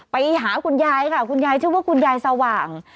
ไปหาคุณยายค่ะคุณยายชื่อว่าคุณยายสว่าง